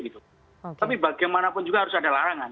tapi faktanya juga ada mudik tapi bagaimanapun juga harus ada larangan